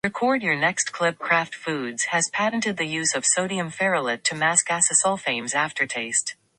Kraft Foods has patented the use of sodium ferulate to mask acesulfame's aftertaste.